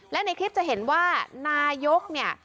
และในคลิปจะเห็นว่านายกเนี่ย